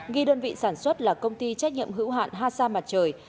ghi đơn vị sản xuất là công ty trách nhiệm hữu hạn hà sa mặt trời